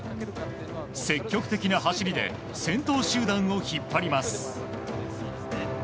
積極的な走りで先頭集団を引っ張ります。